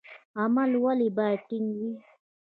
عمل ولې باید نیک وي؟